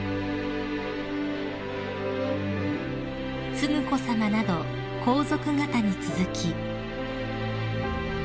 ［承子さまなど皇族方に続き］